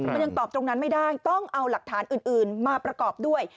มันยังตอบตรงนั้นไม่ได้ต้องเอาหลักฐานอื่นมาประกอบด้วย